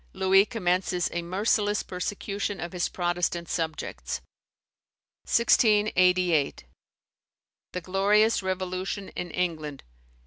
Louis commences a merciless persecution of his Protestant subjects. 1688. The glorious Revolution in England.